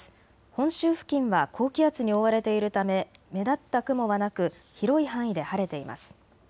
本州付近は高気圧に覆われているため目立った雲はなく広い範囲で晴れています。